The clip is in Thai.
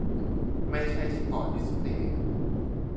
ไม่ใช่เฉพาะดิสเพลย์